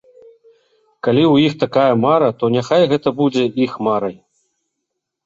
Калі ў іх такая мара, то няхай гэта будзе іх марай.